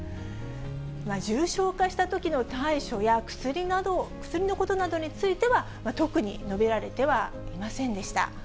重症化したときの対処や薬のことなどについては、特に述べられてはいませんでした。